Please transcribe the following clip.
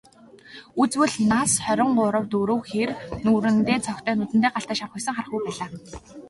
Үзвэл, нас хорин гурав дөрөв хэр, нүүрэндээ цогтой, нүдэндээ галтай, шавхийсэн хархүү байлаа.